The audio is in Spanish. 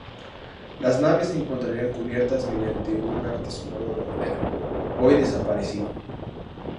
Las naves se encontrarían cubiertas mediante un artesonado de madera, hoy desaparecido.